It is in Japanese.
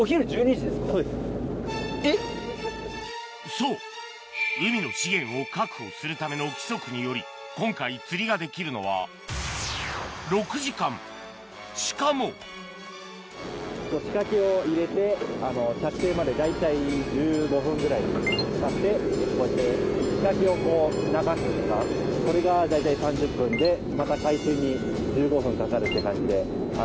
そう海の資源を確保するための規則により今回釣りができるのは６時間しかも仕掛けを入れて着底まで大体１５分ぐらい使って仕掛けをこう流す時間それが大体３０分でまた回収に１５分かかるって感じで。